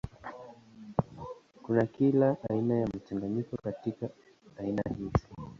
Kuna kila aina ya mchanganyiko kati ya aina hizi.